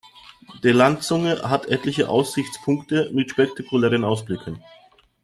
Die Landzunge hat etliche Aussichtspunkte mit spektakulären Ausblicken.